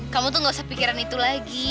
kamu tuh gak usah pikiran itu lagi